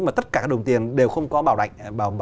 mà tất cả đồng tiền đều không có bảo đảm